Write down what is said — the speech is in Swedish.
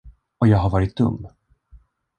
Och jag har varit dum!